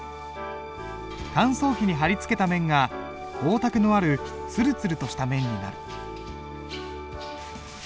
乾燥機に張り付けた面が光沢のあるつるつるとした面になる。